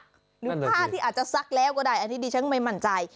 หรือผ้าที่อาจจะซักแล้วก็ได้อันนี้ดิฉันไม่มั่นใจ